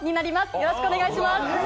よろしくお願いします。